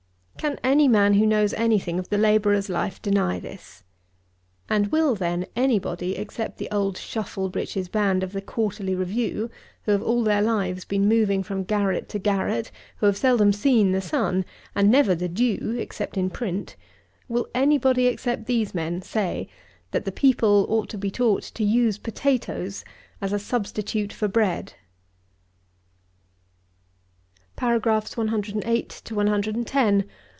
Can any man, who knows any thing of the labourer's life, deny this? And will, then, any body, except the old shuffle breeches band of the Quarterly Review, who have all their lives been moving from garret to garret, who have seldom seen the sun, and never the dew except in print; will any body except these men say, that the people ought to be taught to use potatoes as a substitute for bread? BREWING BEER.